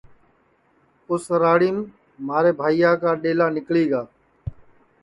اُس راڑیم مُکیشا کے بھائیا کا ڈؔیلا نیکݪی گا